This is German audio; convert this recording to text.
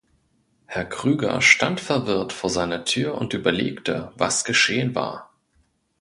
Herr Krüger stand verwirrt vor seiner Tür und überlegte, was geschehen war.